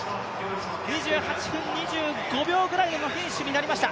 ２８分２５秒ぐらいでのフィニッシュになりました。